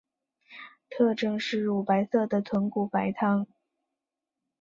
特征是乳白色的豚骨白汤。